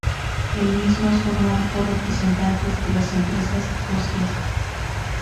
El mismo es formado por representantes de las empresas socias.